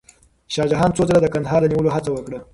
شاه جهان څو ځله د کندهار د نیولو هڅه وکړه.